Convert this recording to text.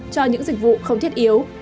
cho những dịch vụ không thiết yếu